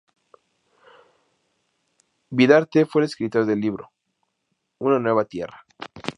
Vidarte fue el escritor del libro: ""Una Nueva Tierra.